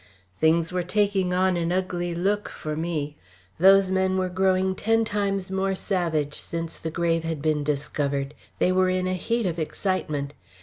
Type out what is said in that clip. Things were taking on an ugly look for me. Those men were growing ten times more savage since the grave had been discovered; they were in a heat of excitement.